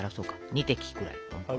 ２滴ぐらい。